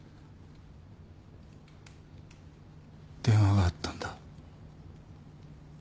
電話があったんだ。